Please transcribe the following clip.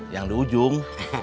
yang di ujung